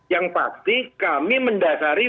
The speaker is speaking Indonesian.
yang pasti kami mendasari